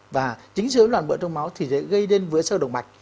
và chính dối loạn mỡ trong máu thì sẽ gây đến vữa sơ động mạch